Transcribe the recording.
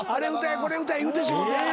これ歌え言うてしもうてやな。